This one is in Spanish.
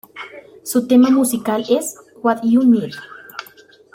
Su tema musical es ""What U Need".